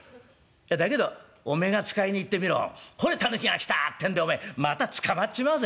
だけどおめえが使いに行ってみろほれ狸が来たってんでおめえまた捕まっちまうぜ」。